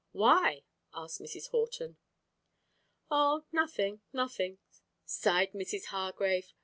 "Why?" asked Mrs. Horton. "Oh, nothing, nothing!" sighed Mrs. Hargrave.